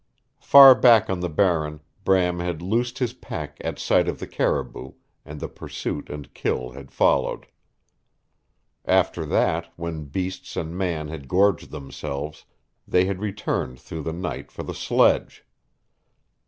Far back on the Barren Bram had loosed his pack at sight of the caribou, and the pursuit and kill had followed. After that, when beasts and man had gorged themselves, they had returned through the night for the sledge.